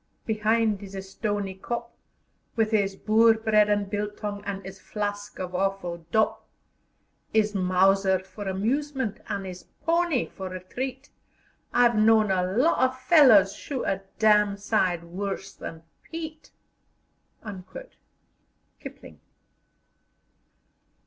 be'ind 'is stony kop, With 'is Boer bread an' biltong, an' 'is flask of awful dop; 'Is mauser for amusement an' 'is pony for retreat, I've known a lot o' fellers shoot a dam' sight worse than Piet." KIPLING.